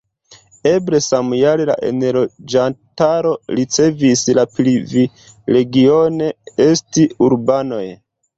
Eble samjare la enloĝantaro ricevis la privilegion esti urbanoj.